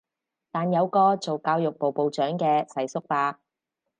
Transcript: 但有個做教育部部長嘅世叔伯